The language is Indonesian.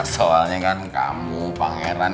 soalnya kan kamu pangeran